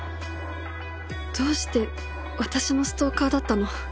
どうして私のストーカーだったの？